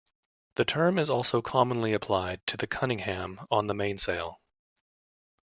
The term is also commonly applied to the cunningham on the mainsail.